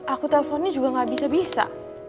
aku telponnya juga gak bisa bisa